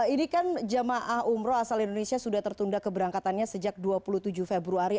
ini kan jemaah umroh asal indonesia sudah tertunda keberangkatannya sejak dua puluh tujuh februari